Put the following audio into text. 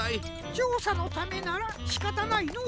ちょうさのためならしかたないのう。